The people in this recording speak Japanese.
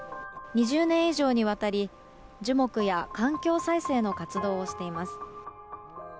２０年以上にわたり樹木や環境再生の活動をしています。